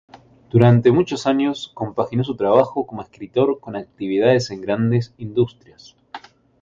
Durante muchos años, compaginó su trabajo como escritor con actividades en grandes industrias.